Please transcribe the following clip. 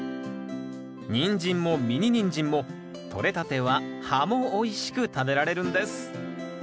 ニンジンもミニニンジンもとれたては葉もおいしく食べられるんです。